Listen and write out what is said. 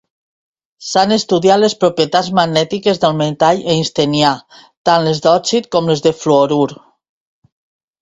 S'han estudiat les propietats magnètiques del metall einsteinià, tant les d'òxid, com les de fluorur.